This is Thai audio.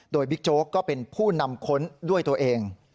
โดยบิ๊กโจ๊กก็เป็นผู้นำค้นด้วยตัวเอง